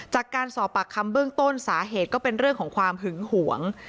จากการสอบปากคำเบื้องต้นสาเหตุก็เป็นเรื่องของความหึงหวง